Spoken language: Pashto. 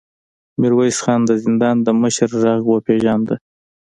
ميرويس خان د زندان د مشر غږ وپېژاند.